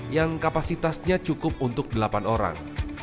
yang kapasitasnya cukup untuk delapan orang